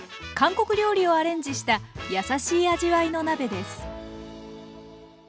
韓国料理をアレンジしたやさしい味わいの鍋です。